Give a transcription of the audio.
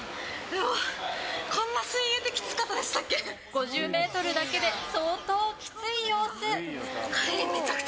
５０ｍだけで相当きつい様子。